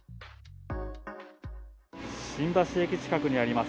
新橋駅近くにあります